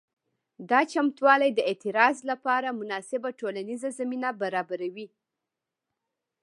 دا چمتووالي د اعتراض لپاره مناسبه ټولنیزه زمینه برابروي.